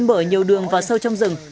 mở nhiều đường vào sâu trong rừng